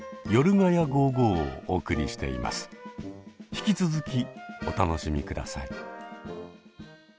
引き続きお楽しみください。